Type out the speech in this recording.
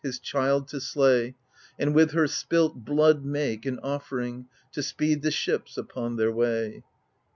His child to slay, And with her spilt blood make An offering, to speed the ships upon their way